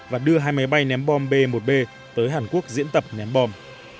và đưa hai máy bay ném bom b một b tới hàn quốc diễn tập ném bom